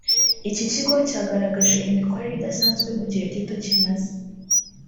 iki kigo cyagaragaje imikorere idasanzwe mu gihe gito kimaze